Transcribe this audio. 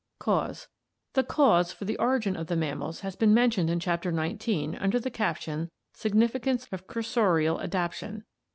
Cause. — The cause for the origin of the mammals has been men tioned in Chapter XIX under the caption " Significance of cursorial adaptation."